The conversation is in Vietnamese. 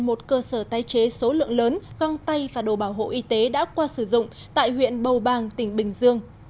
một cơ sở tái chế số lượng lớn găng tay và đồ bảo hộ y tế đã qua sử dụng tại huyện bầu bàng tỉnh bình dương